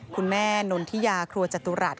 คุณแม่นนทิยาครัวจตุรัส